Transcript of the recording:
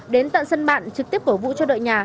đến tận sân bạn trực tiếp cổ vũ cho đội nhà